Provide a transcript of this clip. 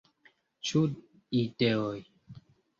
Ĉu ideoj?